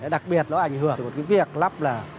đặc biệt nó ảnh hưởng đến việc lắp là